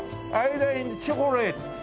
間インチョコレート？